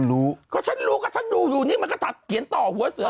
ผู้สื่อข่าวเนี่ยลงพื้นที่นะฮะหัวเสือ